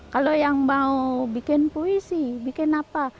kalau yang mau bikin puisi bikin apa